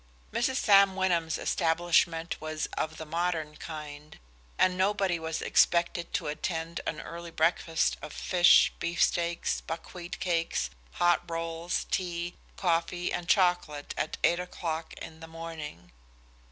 Mrs. Sam Wyndham's establishment was of the modern kind, and nobody was expected to attend an early breakfast of fish, beefsteaks, buckwheat cakes, hot rolls, tea, coffee, and chocolate at eight o'clock in the morning.